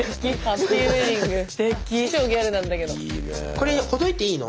これほどいていいの？